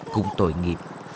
cũng tội nghiệp